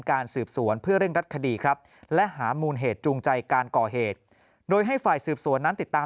การสืบสวนเพื่อเร่งรัดคดีครับและหามูลเหตุจูงใจการก่อเหตุโดยให้ฝ่ายสืบสวนนั้นติดตาม